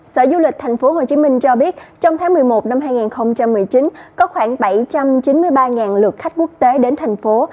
sở du lịch tp hcm cho biết trong tháng một mươi một năm hai nghìn một mươi chín có khoảng bảy trăm chín mươi ba lượt khách quốc tế đến thành phố